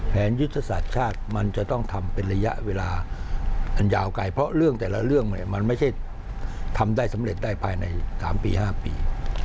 ยุทธศาสตร์ชาติมันจะต้องทำเป็นระยะเวลาอันยาวไกลเพราะเรื่องแต่ละเรื่องเนี่ยมันไม่ใช่ทำได้สำเร็จได้ภายใน๓ปี๕ปี